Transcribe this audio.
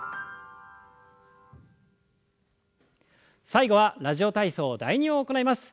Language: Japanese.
最後は「ラジオ体操第２」を行います。